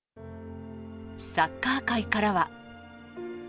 サッカー界からは。